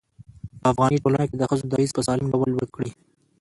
په افغاني ټولنه کې د ښځو دريځ په سالم ډول لوړ کړي.